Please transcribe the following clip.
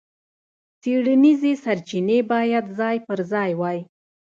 څېړنیزې سرچینې باید ځای پر ځای وای.